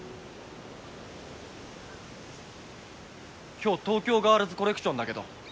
今日東京ガールズコレクションだけど。